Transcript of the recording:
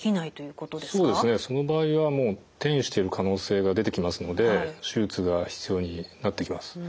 そうですねその場合はもう転移している可能性が出てきますので手術が必要になってきます。